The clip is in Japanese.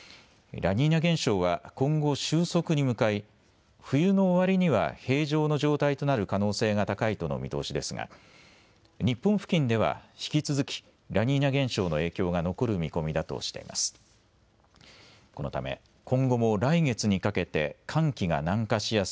ラニーニャ現象は今後、終息に向かい冬の終わりには平常の状態となる可能性が高いとの見通しですが日本付近では引き続きラニーニャ現象の影響が残る見込みだとしています。